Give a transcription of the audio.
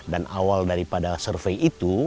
dan awal daripada survei itu